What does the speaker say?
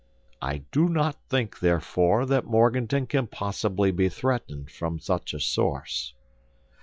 I do not think, therefore, that Morganton can possibly be threatened from such a source."